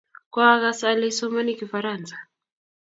koagas ale isomoni kifaransa